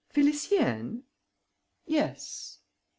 "Félicienne?" "Yes." M.